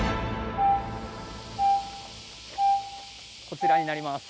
こちらになります。